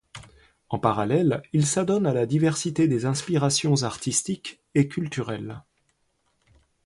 En parallèle, il s'adonne à la diversité des inspirations artistiques et culturelles.